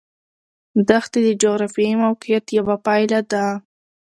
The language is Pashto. دښتې د جغرافیایي موقیعت یوه پایله ده.